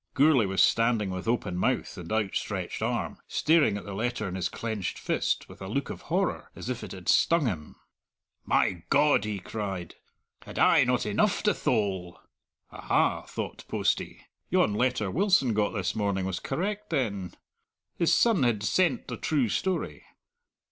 Gourlay was standing with open mouth and outstretched arm, staring at the letter in his clenched fist with a look of horror, as if it had stung him. "My God!" he cried, "had I not enough to thole?" "Aha!" thought Postie, "yon letter Wilson got this morning was correct, then! His son had sent the true story.